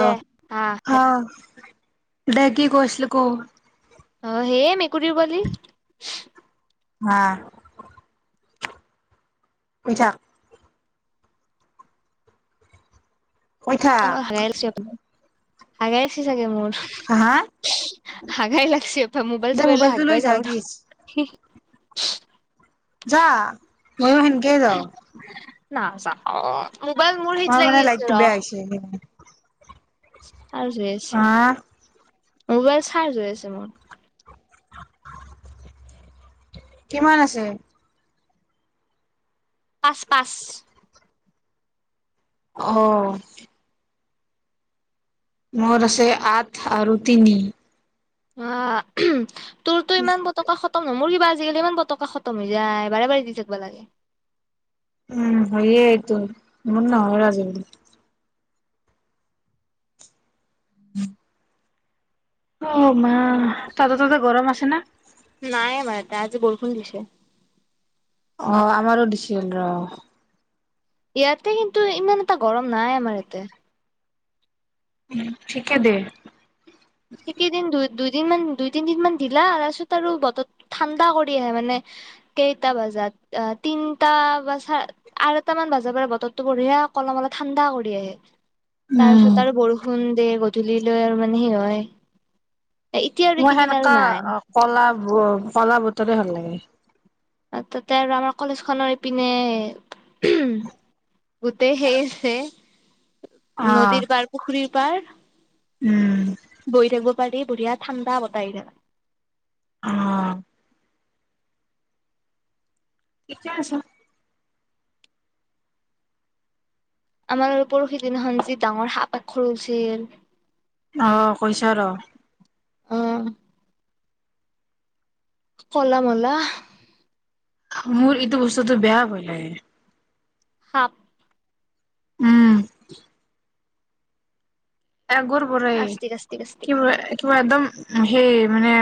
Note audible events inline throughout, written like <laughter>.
দে অ হা দে আহ দে কি কয় আছিলি ক অ সেই মেকুৰীৰ পোৱালি অহ কয় থাক কৈ অ থাক হছাপ <unintelligible> হে <unintelligible> চাগে মোৰ হা হাগাই লাগছে এ মোবাইল দে চোবাইলে মোবাইলটো লৈ হাকবাই যা যাও ন কি হুচ যা ময়ো সেনকেই যাওঁ অ অ মানে লাইটটো বেয়া হৈছে সে <unintelligible> <unintelligible> আৰু যে আছে মোবাইল চাৰ্জ হৈ আছে মোৰ কিমান আছে পাঁচ পাঁচ অহ মোৰ আছে আঠ আৰু তিনি অ তোৰতো ইমান পতুককে খতম নহয় মোৰ কি তো আজিকালি ইমান পতকা খতম হৈ যায় বাৰে বাৰে দি থাকিবা লাগে উম হয়ে এইটো মোৰ নহয় আজি কালি। অ মা অ তাতে ততে গৰম আছে ন ত আজি বৰষুণ দিছে অ আমাৰো দিচেল ৰ। ইয়াতে কিন্তু ইমান এটা গৰম নাই আমাৰ ইয়াতে ঠিকে দে সেইকেইদিন দু দুইদিন মান দুই তিন দিন মান দিলা তাৰপিছত আৰু বতৰ ঠাণ্ডা কৰি আহে মানে কেইটা বজাত অ তিনটা বা চা আঢ়ৈটা মান বজাৰ পৰা বতৰটো বঢ়িয়া কলম অলপ ঠাণ্ডা কৰি আহে উম তাৰপিছত আৰু বৰষুণ ওম দে গধূলি লৈ আৰু মানে সেই হয় এতিয়া আৰু মোৰ এইকেইদিন আৰু সেনেকা নাই কলা কলা বতৰে ভাল লাগে তাতে আৰু আমাৰ কলেজ খনৰ ইপিনে উম গোতে হেইছে অ নদীৰ বাৰ পুখুৰীৰ পাৰ উম বৈ থাকিব বাহিৰ বঢ়িয়া ঠাণ্ডা বতাই আহি থাকে অহ কেতিয়া আছে আমাৰ পৰহি দিন হন যি ডাঙৰ সাপ পাক খ লছিল আহ কৈছো ৰ। আহ কলা মলা মোৰ এইটো বস্তুতটো বেয়া বলে সাত উম আগৰ পৰাই আস্তিক আস্তিক আস্তিক কিবা কিবা একদম সেই মানে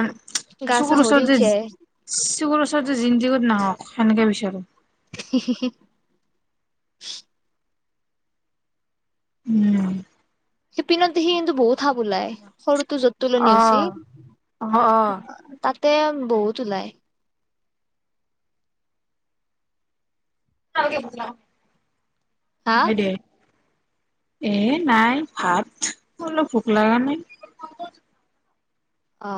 গা চা চুকুৰ হৰি চ যে উঠি আহে বোৰ ওচৰত জিন্দগত নাহওক সেনেকৈ বিচাৰো হম হম। উম পিনে সি কিন্দুহুত ক বোলাই সৰুটো যত অ টোলনি আছি অ অ তাত তে বহুত ওলায়। <inaudible> হা হয় দে। এ নাই ভাত হলো ভোক লগা নাই। অঁ।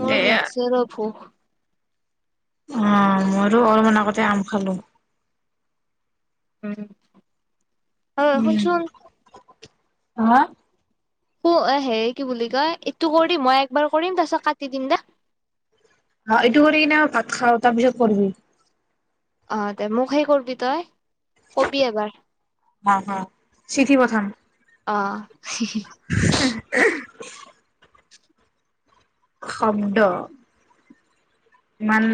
মোৰ দে লাগিছে ৰ ভোগ। অঁ মইতো অলপমান আগতে আম খালো। উম। আঁহ শুনচোন। হাঁ? হে কি বুলি কয়, এইটো কৰিম মই একবাৰ কৰিম তাৰ পিছত কাটি দিম দে। এইটো কৰি কিনে ভাত খাওঁ, তাৰ পিছত কৰবি। অঁ দে মোক সেই কৰবি তই। কবি এবাৰ হ চিঠি পথাম। অঁ। হম হঁ <inaudible> শব্দ। ইমান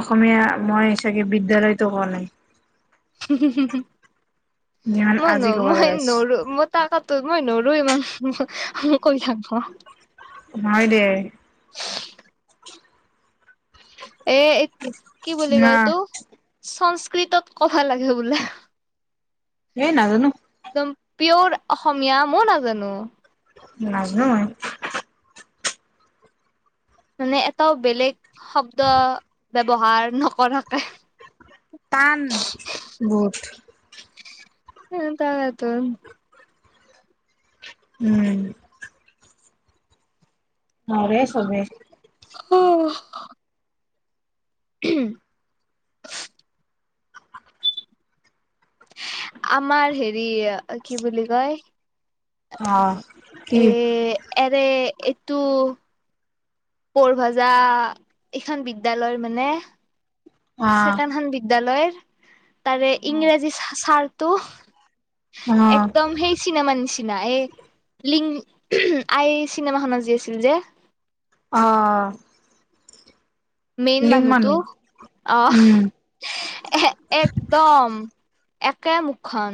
অসমীয়া মই চাগে বিদ্যালয়তো কোৱা নাই। উ হু হু হু যিমান আজি মইনো ক'ব মই লগাইছ নৰো মই তাকত তত মই নৰো ইমান ম কৈ থাক <inaudible> হয় দে। এ কি বুলি না কয় তো চানচ্ কৃতত কথা লাগে বোলে। এ নাজানো। একদম পিয়ৰ অসমীয়া মই নাজানো। নাজানো মই। <unintelligible> মানে এটাও বেলেগ শব্দ ব্যৱহাৰ নকৰাকে, টান বহুত। উম্ তাকেইটো। উম। নোৱাৰে ছবে। ওহ। উম <inaudible> আমাৰ হেৰি, অ কি বুলি কয়? অ। কি এ এক যে এইটো বৰভাজা এইখন বিদ্যয়ালয়ৰ মানে, অ ছেকেণ্ড হেণ্ড বিদ্যালয়। <inaudible> তাৰে ইংৰাজী ছাৰ টো, অ একদম সেই চিনেমা নিছিনা। এ লিং আই চিনেমাখনত যি আছিল যে। অ। মেইন লিং মানুহটো। মানুহ আহ, উম এ একদম। একে মুুখ খন।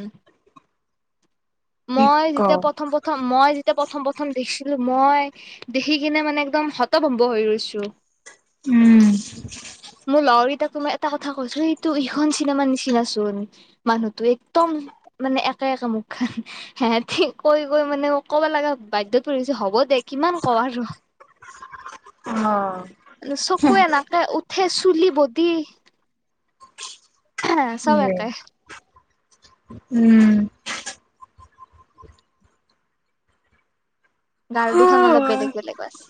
কি মই ক যেতিয়া প্ৰথম প্ৰথম, মই যেতিয়া প্ৰথম প্ৰথম দেখিছিলো, মই দেখি কিনে মানে একদম হতভম্ব হৈ ৰৈছো। উম। মোৰ লগৰকেইটাকো মই এটা কথা কৈছো এইটো ইখন চিনেমা নিচিনাচোন মানুহটো একদম মানে একে একে মুখ খন। সিহঁতি কৈ কৈ মানে কব লাগা বাধ্যত পৰিছে হ'ব দে কিমান কৱ আৰু। অ চকুৱে নাকে, উঠ চুলি বদি, হে চব একেই। উম। গাল দুখন অলপ বেলেগ বেলেগ আছে।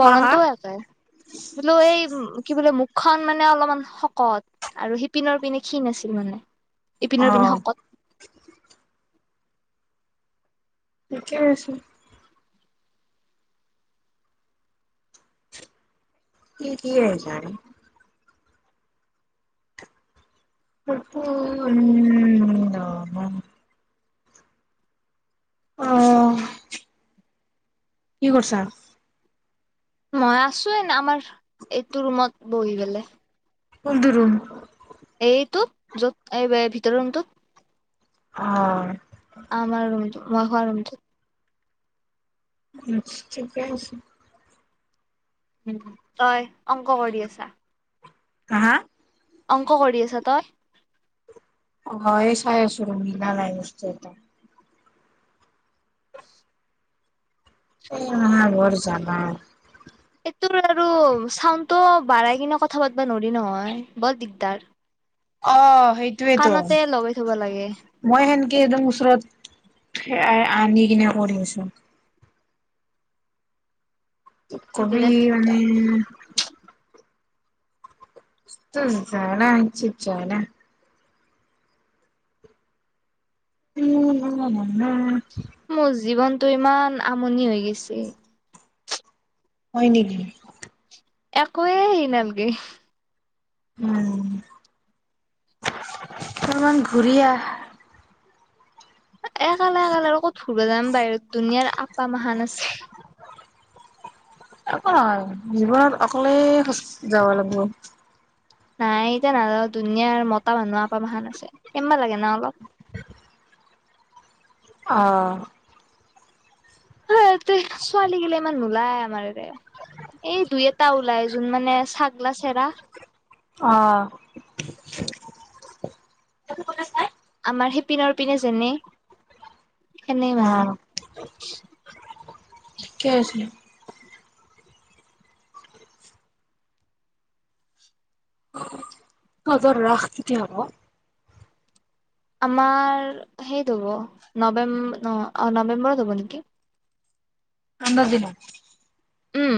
হা হা আছে। বোলো এই, কি বোলে মুখখন মানে অলপমান শকত আৰু সিপিনৰ পিনে ক্ষীণ আছিল মানে। ইপিনৰ পিনে অ শকত ঠিকে আছে। কি কি গাৰে উম <unintelligible> আহ। কি কৰিছা মই আছোয়ে আমাৰ এইটো ৰুমত বহি গলে কুনটো ৰোম এইটো য'ত এই ভিতৰ ৰুমটোত অ আমাৰ ৰোমটো মই শুৱা ৰোমটোত আছ ঠিকে আছে তই অংক কৰি আছা হা হা অংক কৰি আছা তই অ এই চাই আছো মিলা নাই বস্তুটো এটা এ আমাৰ বৰ জালা এইটোৰ আৰু চাউণ্ডটো বাঢ়াই কিনে কথা পাাতবা নোৱাৰ নহয় বৰ দিগদাৰ অ সেইটোয়েইেতো কাণতে লগাই থব লাগে মই সেনকে একদম ওচৰত আনি কিনে কৰি আছো কবি বিৰাট মানে দিগদাৰ ছোন আ চিজাইনে। উম উম উম। তটো ইমান আমনি লাগিছে। হয় নেকি একোৱে হেৰি নালাগে উম অণমান ঘূৰি আহ একালে একালে আৰু ক'ত পূগদাম বাহিৰত দুনিয়াৰ আপা মহাহান আছে জীৱনত অকলে খোজ যাব লাগিব নাই এতিয়া নাযাও ধুনীয়াৰ মতা মানুহ আক মহান আছে কেনবা লাগে না অলপ আহঁ ছোৱালী গিলা ইমান নোলায় আমাৰৰে এই দুই এটা ওলাই যোন মানে ছাগলা চেৰা আহ আমাৰ সেই পিনৰ পিনে যেনে এনেই মানে অ', ঠিকে আছিলো। তজৰ ৰাসটোতি হব আমাৰ সেই হব নৱেম্ব নৱেম্বৰ হব নেকি ধান্দা দিনত উম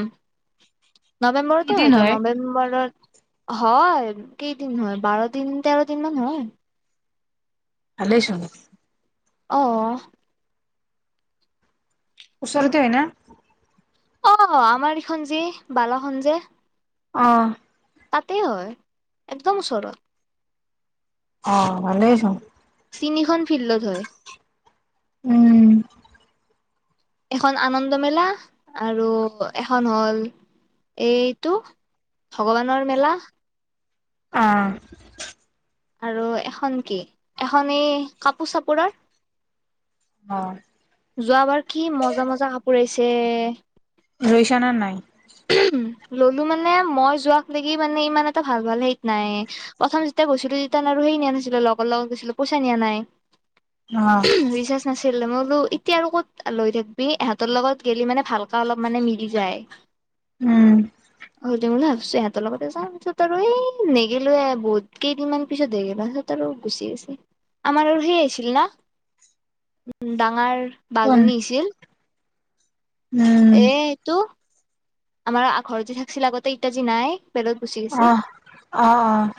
কি নৱেম্বৰতে দিন হয় দে নৱেম্বৰৰ হয় কেইদিন হয় বাৰ দিন তেৰ দিন মান হয় ভালই চোন আহ ওচৰতে হয় ন অ আমাৰ এইখন যি বালাখন যে অ তাতেই হয় একদমওচৰত অ ভালেইছোন তিনিখন ফিল্ডত হয় উম এখন আনন্দ মেলা আৰু এখন হ'ল এইটো ভগৱানৰ মেলা আহ আৰু এখন কি এখন এই কাপোৰ চাপোৰৰ অ', যোৱাবাৰ কি মজা মজা কাপোৰ আহইছিল যে ৰৈশানাৰ নাই ললোঁ মানে মই যোৱাক লেকি মানে ইমান এটা ভাল ভাল হেৰিত নাই। প্ৰথম যেতিয়া গৈছিলোঁ, তেতিয়ান আৰু সেই নিয়া নাছিলোঁ। লগৰ লগত গৈছিলোঁ, পইচা নিয়া নাই। অ', ৰিচাৰ্জ নাছিলে মোৰ আৰু এতিয়া আৰু ক'ত লৈ থাকবি? এহেতৰ লগত গেলি মানে ভালকে অলপমানে মিলি যায়। উম, অ' দেম লা ছে সেহঁতৰ লগতে যাম। পিছত আৰু এই নেগেলোৱে। বহুত কেইদিনমান পিছতহে গেলো, পিছত আৰু গুচি গৈছে। আমাৰ আৰু সেই আহিছিল ন'? উম, ডাঙাৰ কোন? বাজনী আহিছিল। উম, এ এইটো আমাৰ আ- ঘৰত যে থাকছিল আগতে, এত্যা যি নাই। বেলেগত গুচি গৈছে আ'। অ' - অ'।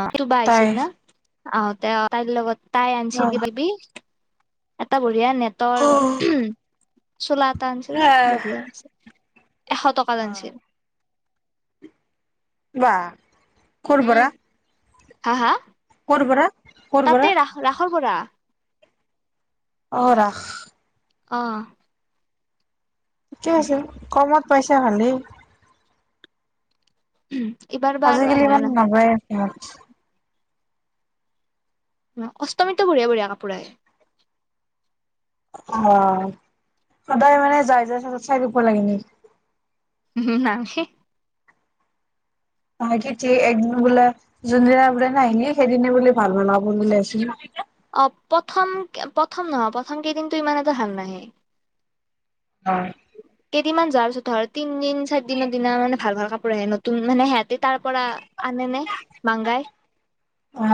অ' টো বা তাই আহিছিল না অ' তেওঁ- তাইৰ লগত তাই আনছিল অ', কিবা-কিবি এটা ব বেয়া নেটৰ অ', চোলা এটা আনছিল। বঢ়িয়া আনছে। এশ টকাত আনছিল। বাহ। ক'ৰ উম পৰা? হা - হা? ক'ৰ পৰা? ক'ৰ পৰা? তাতে ৰাস- ৰাসৰ পৰা। অ' ৰাস। অ'। ঠিকে আছে। কমত পাইছা ভালেই। উম আজিকালি ইমান নাযায়ে। ইয়াত। ন। অষ্টমীতো বঢ়িয়া - বঢ়িয়া কাপোৰ আহে। অ'। সদায় মানে যাই - যাই চাই - চাই থাকিব লাগে নেকি? হঁ, নালগে। তাকে তে। একদিন বোলে যোনদিনা বোলে নাহিলি, সেইদিনে বোলে ভাল বিলাকবোৰ উলাইছিল। অ' প্ৰথম- প্ৰথম নহয়। প্ৰথম কেইদিনটো ইমান এটা ভাল নাহে। অ' কেইদিনমান যোৱাৰ পিছত ধৰ তিন দিন চাৰদিনৰ দিনা মানে ভাল ভাল কাপোৰ আহে। নতুন মানে হিহঁতে তাৰ পৰা আনে নে মাংগাই। অঅ।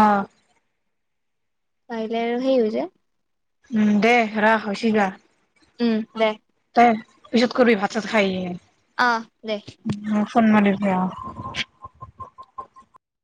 পাৰিলে আৰু সেই হৈ যায়। উম দে ৰাখ হৈচি দা। উম দে। পিছত কৰবি ভাত চাত খাই আহি কেনে। অ দে। <unintelligible>